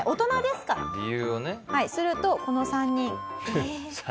するとこの３人。